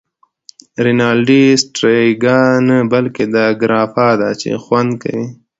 رینالډي: سټریګا نه، بلکې دا ګراپا ده چې خوند کوی.